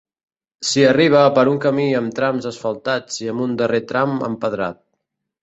S'hi arriba per un camí amb trams asfaltats i amb un darrer tram empedrat.